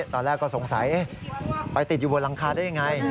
ตอนแรกก็สงสัยไปติดอยู่บนหลังคาได้ยังไง